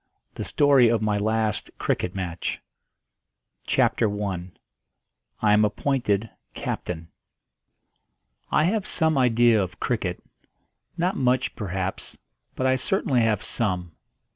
THE STORY OF MY LAST CRICKET MATCH. CHAPTER I. I AM APPOINTED CAPTAIN. I have some idea of cricket not much, perhaps, but I certainly have some.